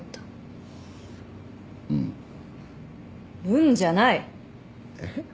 「うん」じゃない！えっ？